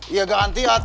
iya ganti ya